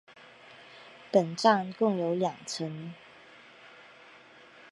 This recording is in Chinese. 本站共有两层。